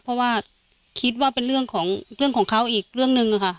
เพราะว่าคิดว่าเป็นเรื่องของเรื่องของเขาอีกเรื่องนึงค่ะ